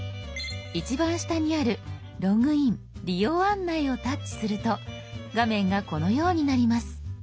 一番下にある「ログイン・利用案内」をタッチすると画面がこのようになります。